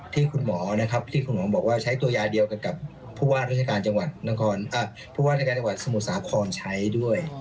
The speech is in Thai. ที่คุณหมอนะครับที่คุณหมอบอกว่าใช้ตัวยาเดียวกันกับผู้ว่าธุรการจังหวัดสมุสาครใช้ด้วย